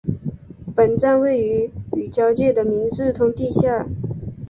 本站位于与交界的明治通地下。